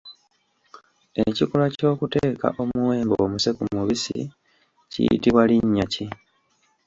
Ekikolwa ky’okuteeka omuwemba omuse ku mubisi kiyitibwa linnya ki?